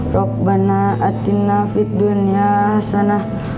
rokbanah atinna fit dunyah sana